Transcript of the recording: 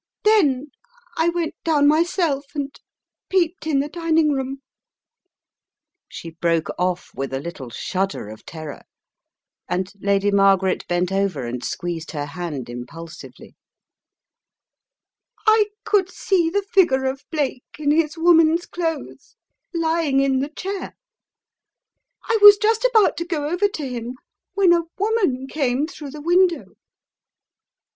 Then I went down myself and peeped in the dining room " She broke off with a little shudder of terror and Lady Margaret bent over and squeezed her hand impulsively. "I could see the figure of Blake in his woman's clothes lying in the chair. I was just about to go over to him when a woman came through the window. "A Tale Unfolded?